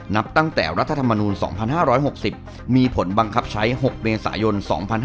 นับตั้งแต่รัฐธรรมนูล๒๕๖๐มีผลบังคับใช้๖เมษายน๒๕๖๒